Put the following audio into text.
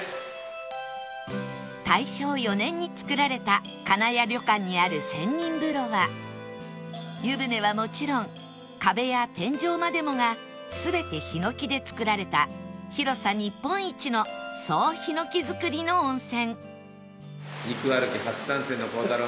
大正４年に造られた金谷旅館にある千人風呂は湯船はもちろん壁や天井までもが全てヒノキで造られた肉歩き初参戦の孝太郎さん